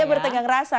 ya bertenggang rasa